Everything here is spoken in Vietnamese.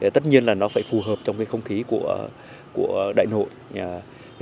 tất nhiên là nó phải phù hợp trong không khí của đại hội